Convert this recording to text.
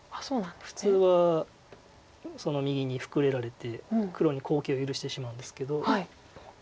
普通はその右にフクレられて黒に好形を許してしまうんですけど。